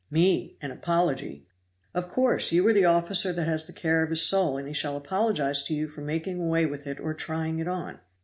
"Me, an apology!" "Of course you are the officer that has the care of his soul and he shall apologize to you for making away with it or trying it on."